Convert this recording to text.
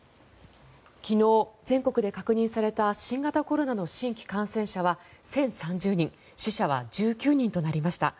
昨日、全国で確認された新型コロナの新規感染者は１０３０人死者は１９人となりました。